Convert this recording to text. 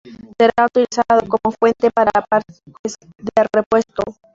Será utilizado como fuente para partes de repuesto.